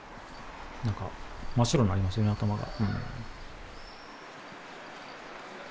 なんか真っ白になりますよね、頭が。